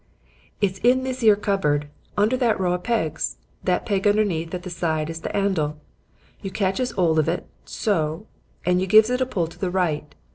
"'It's in this 'ere cupboard, under that row of pegs. That peg underneath at the side is the 'andle. You catches 'old of it, so, and you gives a pull to the right.'